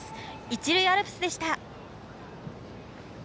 一塁アルプスでした。